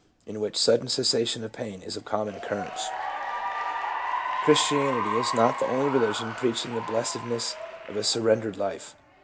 in which sudden cessation of pain is of common occurrence. Christianity is not the only religion preaching the blessed ness of a surrendered life.